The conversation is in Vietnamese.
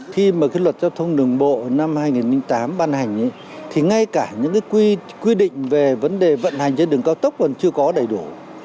khi mà cái luật giao thông đường bộ năm hai nghìn tám ban hành thì ngay cả những cái quy định về vấn đề vận hành trên đường cao tốc còn chưa có đầy đủ